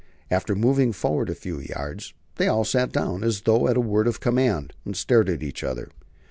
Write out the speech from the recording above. After moving forward a few yards, they all sat down, as though at a word of command, and stared at each other.